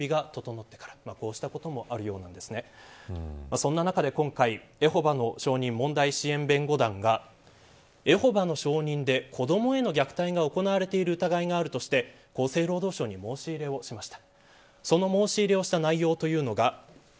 そんな中で今回エホバの証人問題支援弁護団がエホバの証人で子どもへの虐待が行われている疑いがあるとして厚生労働省に申し入れをしました。